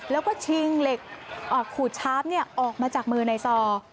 แล้วก็ชิงเหล็กขูดชาร์ฟออกมาจากมือในซอ